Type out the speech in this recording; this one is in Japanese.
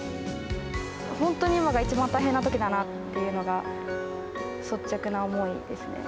本当に今が一番大変なときだなっていうのが、率直な思いですね。